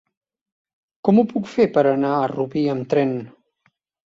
Com ho puc fer per anar a Rubí amb tren?